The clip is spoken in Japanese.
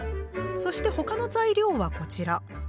そして他の材料はこちら。